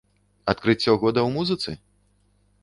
Адкрыццё года ў музыцы?